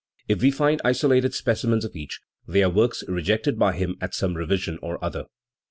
If we find isolated specimens of each, they are works rejected by him at some revision or other.